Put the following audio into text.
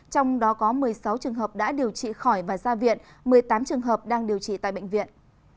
trong đó có một mươi sáu trường hợp đã điều trị khỏi và ra viện một mươi tám trường hợp đang điều trị tại bệnh viện